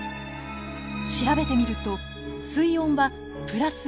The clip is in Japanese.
調べてみると水温はプラス１．４度。